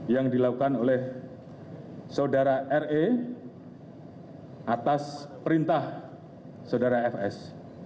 yang dilakukan oleh saudara re atas perintah saudara fs